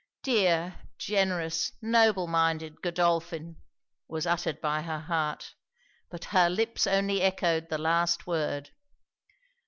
Dear, generous, noble minded Godolphin! was uttered by her heart, but her lips only echoed, the last word.